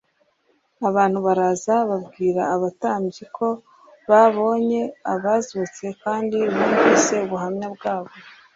Abantu baraza babwira abatambyi ko babonye abazutse kandi bumvise ubuhamya bwabo.